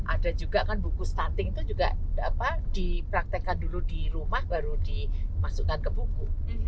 ada juga kan buku stunting itu juga dipraktekkan dulu di rumah baru dimasukkan ke buku